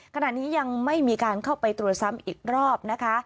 ขณะนี้ยังไม่มีการเข้าไปตรวจซ้ำอีกรอบนะคะ